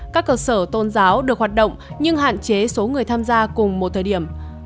các cơ sở tôn giáo được hoạt động nhưng hạn chế số người tham gia cùng một thời điểm